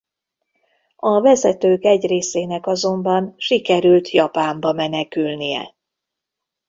A vezetők egy részének azonban sikerült Japánba menekülnie.